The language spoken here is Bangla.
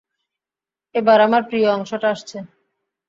এবার আমার প্রিয় অংশটা আসছে।